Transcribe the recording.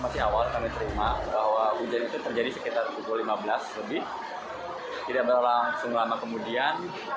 tidak berulang seumur lama kemudian